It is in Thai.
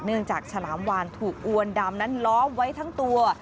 จากฉลามวานถูกอวนดำนั้นล้อมไว้ทั้งตัว